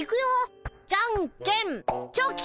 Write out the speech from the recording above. じゃんけんチョキ！